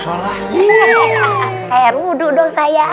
saya ucapkan terima kasih atas perhatian dan dukungannya